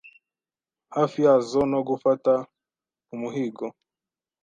hafi yazo no gufata umuhigo,